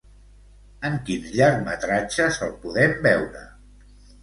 En quins llargmetratges el podem veure?